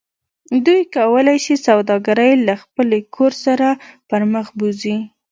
دوی کولی شي سوداګرۍ له خپل کور څخه پرمخ بوځي